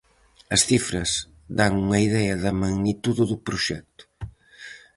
As cifras dan unha idea da magnitude do proxecto.